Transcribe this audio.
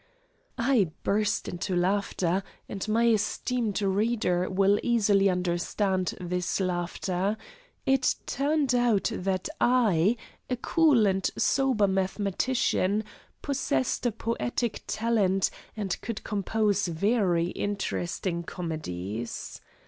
I burst into laughter, and my esteemed reader will easily understand this laughter. It turned out that I, a cool and sober mathematician, possessed a poetic talent and could compose very interesting comedies.